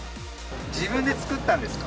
自分で作ったんですか？